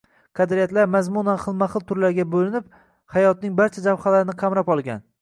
Qadriyatlar mazmunan xilma-xil turlarga bo‘linib, haѐtning barcha jabhalarini qamrab olgan